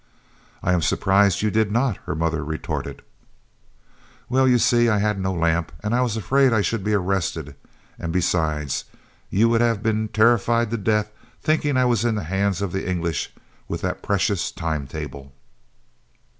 "I am surprised you did not," her mother retorted. "Well, you see, I had no lamp and I was afraid I should be arrested, and besides, you would have been terrified to death, thinking I was in the hands of the English with that precious time table."